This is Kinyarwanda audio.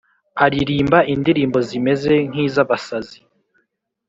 Aririmba indirimbo zimeze nkizabasazi